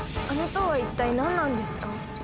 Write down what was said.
あの塔は一体何なんですか？